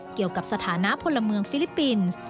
เกี่ยวกับสถานะพลเมืองฟิลิปปินส์